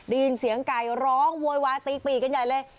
ได้ยินเสียงไก่ร้องโวยวายตีปีกกันใหญ่เลย